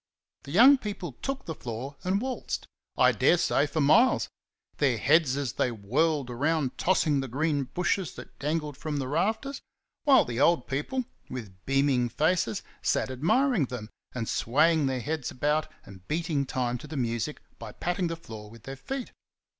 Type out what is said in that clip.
The young people took the floor and waltzed, I dare say, for miles their heads as they whirled around tossing the green bushes that dangled from the rafters; while the old people, with beaming faces, sat admiring them, and swaying their heads about and beating time to the music by patting the floor with their feet.